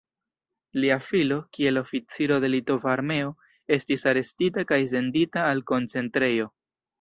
Lia filo, kiel oficiro de litova armeo, estis arestita kaj sendita al koncentrejo.